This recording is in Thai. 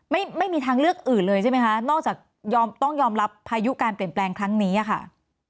ไม่มีทางเลือกอื่นเลยใช่ไหมคะนอกจากยอมต้องยอมรับพายุการเปลี่ยนแปลงครั้งนี้อะค่ะ